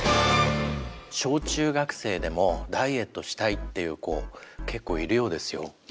小中学生でもダイエットしたいっていう子結構いるようですよ。